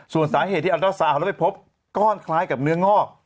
ส่วนสาเหตุที่ไปพบก้อนคล้ายกับเนื้องอก